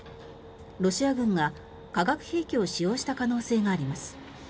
ロシア軍が化学兵器を使用した可能性があります。